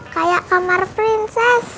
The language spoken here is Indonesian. kayak kamar prinses